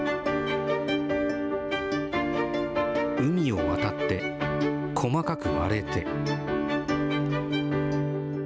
海を渡って、細かく割れて。